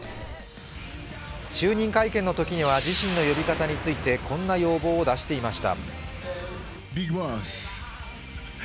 就任会見のときには自身の呼び方について、こんな要望を出していました。